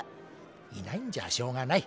いないんじゃしょうがない。